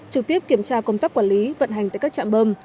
trực tiếp kiểm tra công tác quản lý vận hành tại các trạm bơm